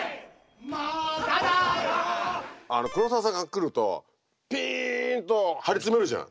黒澤さんが来るとピンと張り詰めるじゃん。